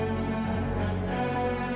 kita ingin menjanjikan ini